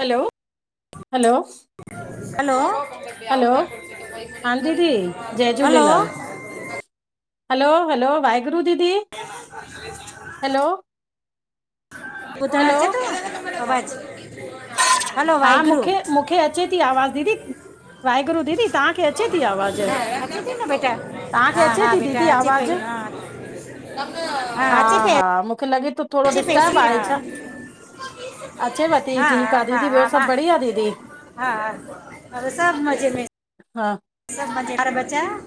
हलो hello. Hello hello हा दीदी जय hello. Jhulelal hello hello Waheguru दीदी हलो। ॿुधा हलो आचें तो आवाज। हा मूंखे मूंखे अचे ती आवाज़ दीदी। वाहेगुरु दीदी तांखे अचे थी आवाज़। तांखे अचे थी दीदी आवाज हा हा मूंखे लॻे तो। थोरो डिस्टब आहे छा अचे वती ठीक आ दीदी ब्यो। हा हा अरे सभ मज़े में। हा। सभ मजे वार बचांयां।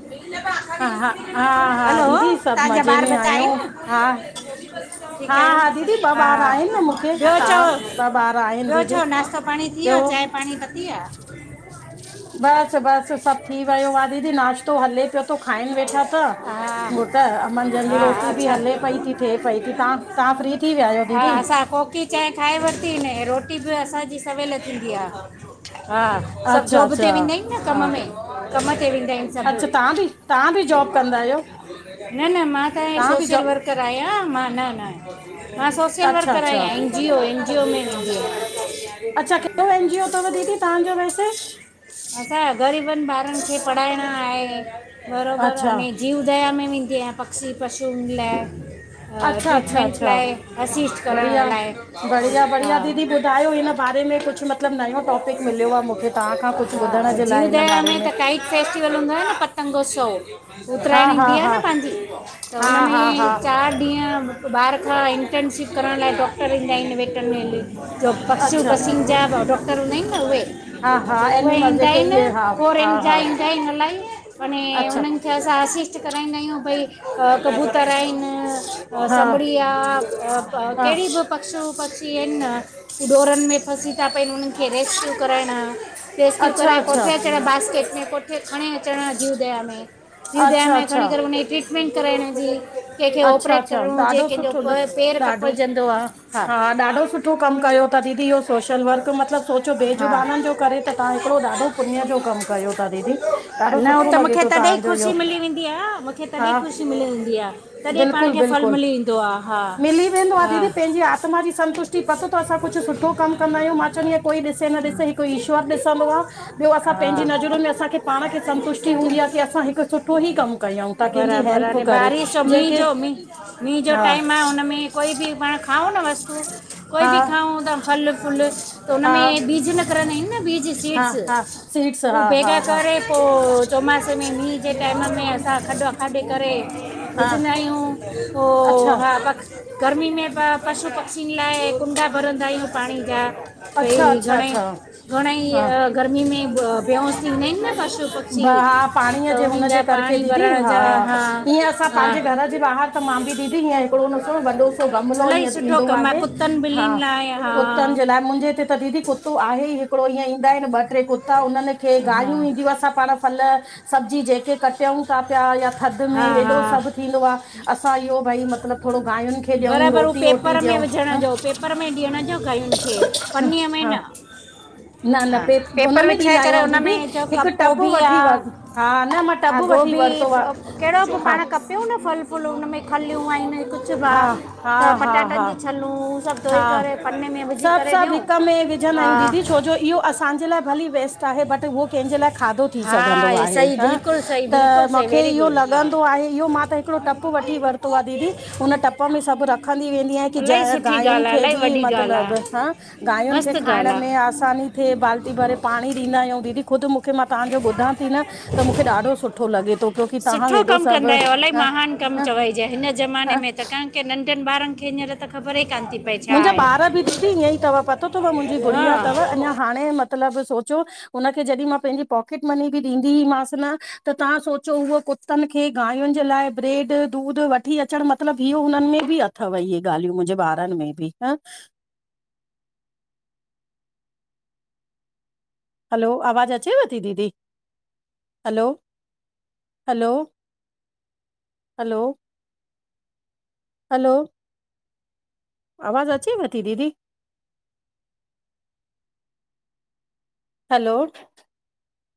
हा हा हा हा हलो दीदी सभु तां जा मज़े ॿार में आहियूं बचाइन। हा ठीक हा आयो हा दीदी न ॿ हा ॿार आहिनि न मूंखे ॿियो हा चओ ॿ ॿार आहिनि ॿियो दीदी चओ नाश्तो पाणी थी वियो चांहि। पाणी पती आ। बस बस सभ थी वयो आं दीदी नाश्त। तो हले पयो थो खाइन वेठा त। हा घुट मंझंदजी हा रोटी बि अच्छा हले पई थी थिए पई थी तां तां फ्री थी वया आयो दीदी? हां कोकी। चांय ठाए वरती न ऐं रोटी बि असांजी सवेल थींदी आ हा। सभ अच्छा जॉब ते अच्छा वेंदा आहिन न कम हा में कम ते वेंदा आहिन। अच्छा ततां बि। तव्हां बि जॉब कंदा आहियो न न मां त तव्हां बि सोशल जॉब वर्कर आयां मां न न। मां सोशल अच्छा वर्कर अच्छा आहियां N G O N G O में वेंदी आयां। अच्छा केहड़ो एन जीओ अथव दीदी तांजो वैसे? असां ग़रीबन ॿारन खे पढ़ाइण आहे बरोबर अच्छा अने। जीव उदया में वेंदी आयां पक्षी पशूयूं लाइ। अच्छा अच्छा ट्रीटमेंट अच्छा लाइ असिस्ट करण बढ़िया लाइ बढ़िया हा। बढ़िया दीदी ॿुधायो हिन बारे में कुझु मतिलबु नयो टॉपिक मिलियो आहे मूंखे तव्हां खां कुझु ॿुधण हा जे लाइ जीव हिन दया बारे में त काई। फेस्टिवल हूंदो आ न पतंगोत्सव। हा उतराइण हा ईंदी आ हा न पांजी त हा हा हा हुनमें चार ॾींहं। बार खा इंटर्नशिप करन लाए डॉक्टर ईंदा आईन वेटनेल। त पशू अच्छा पशीनजा डॉक्टर उंदीआहीन न उहे। हा हा उहे एनिमल ईंदा जेके ही न इहे हा हा फोरेन जा हा ईंदा आहिन इलाही। ए अच्छा उन्हनखे असां असिस्ट कराईंदायूं भई। कबूतर आहिन हा समड़ी आ हा केहड़ी बि पशू। पक्षी आहिन उॾोरन में फसी था पहिन। खे रेस्क्यू कराइण रेस्क्यू अच्छा कराए अच्छा अच्छा कोठे अचण बास्केट में कोठे खणी अचण। जीवदया में जवदया अच्छा में खणी करे हुनई ट्रीटमेंट कराइण जी। केंखे अच्छा ऑपरेट अच्छा करिणो हुजे ॾाढो कंहिंजो सुठो पैर ॾाढो कपजंदो आ। हा ॾाढो सुठो कम कयो त दीदी इहो सोशल वर्क मतलब सोचो हा बेजुबानन् जो करे त तां हेकड़ो ॾाढो। पुन्य जो कम कयो ता दीदी ॾाढो न हू सुठो। लॻे मूंखे थो तॾहिं तव्हांजो इहो ख़ुशी मिली वेंदीआ मूंखे तॾहिं ख़ुशी मिली वेंदी आ। बिल्कुल बिल्कुल मिली वेंदो आ हा दीदी पंहिंजी आत्मा जी संतुष्टि। पतो त असां कुछ सुठो कम कंदा आयूं मां चवंदीयां कोई ॾिसे न ॾिसे हिक ईश्वर ॾिसंदो आ। ॿियों असां हा पेंजी नज़रुन में असां पाणखे संतुष्ट। की हूंदीयां असा हिक सुठो ही कम कयूं थ कंहिंजी हेल्प करे। मींह जेके जो मीं मींह जो हा टाइम आ हुनमें कोई भी पाण खाऊं न वस्तू। कोई हा बि खाऊं था फल फूल त हा हुनमें बीज नकरंदाहिन न बीज हा सीड्स। हा सीड्स हा हा हा। पो चोमास में मींह जे टाइम में असां खॾु खाॾे करे। हा विझंदा आहीयूं हो अच्छा हा बस। गर्मी में ब पशु पक्षियुनि लाइ कुंडा भरंदा आहियूं पाणी जा। त अच्छा ई अच्छा घणे, अच्छा घणे हा ईअ। गर्मी में बहोस थींदा आहिन न पशु ब- पक्षी। हा त पाणीअ जे उन्हनि जा हुनजे करके पाणी दीदी भरण हा जा ईअं असां हा पंहिंजे घर जे ॿाहिर। त मां बि दीदी हीअं हिकड़ो न सो वॾो सो गमलो इलाही हीअ सुठो ईंदो कमु आहे कुतनि हा। ॿिलियुनि लाइ हा कुत्तन जे लाइ मुंहिंजे ईते। त दीदी कुतो आहे ई हिकिड़ो ईअं ईंदा आहिनि ॿ ट्रे कुता उनहन खे हा गाययू ईदु अस। पण फल सब्जी जेके कट्यूं ता पया थॾ में हा हेॾो हा सभ थींदो आ। असां इहो भई मतलब थोरो गांयुनि खे ॾियूं रोटी वोटी ॾियूं हां। प में ॾियण जो कयुनखे पन्नीअ में हा, न। न न हा पे हुन पेपर में विछाए ॾींदा करे आयूं हुन दीदी में चओ हिक कप टब गोभी वठी व। आहे हा न मां टब वठी वरतो आ। केहड़ो बि पाण कपियूं न फल फुल हुनन मे खलुयू आहिन। भा हा हा त हा हा पटाटन जी छलूं सभ। हा सभ सभ हिक में विझंदा हा आयूं दीदी छोजो इहो असांजे लाइ भली वेस। चाहे बट हो कंहिंजे लाइ खाधो थी हा सघंदो हे आहे सही ह बिल्कुलु सही त। बिल्कुलु सही मुखे वेरी इहो गुड हा लंगदो आहे इहो मां त हिकड़ो टप वठी वरतो आ दीदी हुन टप में सभ रख। खली वेंदीआ की जा। इलाही सुठी गांयुन ॻाल्हि आहे खे इलाही वॾी बि ॻाल्हि मतलब आहे ह गांयुन खे मस्तु खाइण ॻाल्हि आहे में आसानी। थे बाल्टी भरे पाणी ॾींदायूं दीदी ख़ुद मु। मां तव्हांजो ॿुधां थी न त मूंखे ॾाढो सुठो लॻे तो क्योंकी। सुठो कम कंदायो अलाही महान कम चवााइजे हिन ज़माने हा में त का। के नंढन ॿारनखे हींअर त ख़बर ई कान थी पए। छा मुंहिंजा आहे ॿार बि दीदी ईअं ई तव पतो तव मुंहिंजी गुड़िया हा तव अञा हाणे मतलब सोचो। हुनखे जॾीं मां पेंजी पॉकेट मनी बि ॾींदीईमांस न त तव्हां सोचो उओ कुतनि खे गांयुन जे लाइ ब्रेड दूध वठी अचणु मतिलबु इहो हुनन में बी आ। अथव इहे ॻाल्हियूं मुंहिंजे ॿारनि में बि, ह हलो, आवाज़ अचेव थी दीदी? हलो, हलो, हलो हलो, आवाज़ु अचेव ती दीदी हलो,